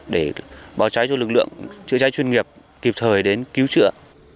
để báo cháy cho lực lượng chữa cháy chuyên nghiệp kịp thời đến cứu trợ